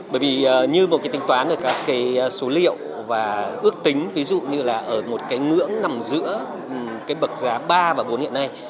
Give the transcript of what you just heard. bởi vì như một tính toán các số liệu và ước tính ví dụ như là ở một ngưỡng nằm giữa bậc giá ba và bốn hiện nay